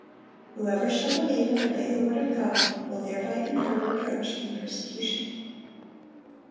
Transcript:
Whoever shall believe and obey the word of God, will thereby incur reproach and persecution.